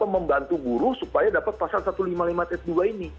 membantu guru supaya dapat pasal satu ratus lima puluh lima s dua ini